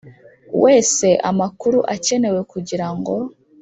wese amakuru akenewe kugira ngo